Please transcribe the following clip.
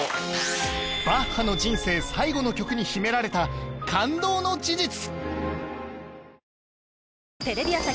バッハの人生最後の曲に秘められた感動の事実！